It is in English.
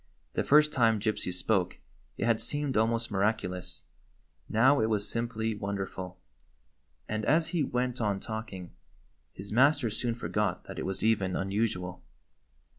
The first time Gypsy spoke it had seemed almost miraculous. Now it was simply wonderful ; and, as he went L. of C. 99 GYPSY, THE TALKING DOG on talking, his master soon forgot that it was even unusual.